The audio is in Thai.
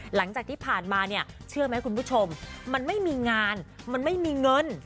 หลังจากที่ผ่านมาเนี่ยเชื่อไหมคุณผู้ชมมันไม่มีงานมันไม่มีเงิน